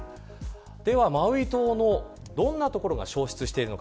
ではマウイ島のどんな所が消失しているのか